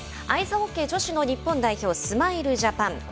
アイスホッケー女子の日本代表スマイルジャパン。